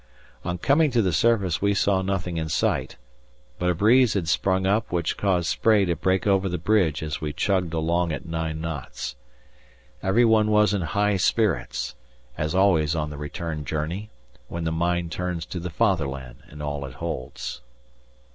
On coming to the surface we saw nothing in sight, but a breeze had sprung up which caused spray to break over the bridge as we chugged along at 9 knots. Everyone was in high spirits, as always on the return journey, when the mind turns to the Fatherland and all it holds.